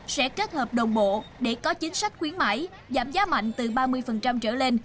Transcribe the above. sẽ kết hợp đồng bộ để có chính sách khuyến mãi giảm giá mạnh từ ba mươi trở lên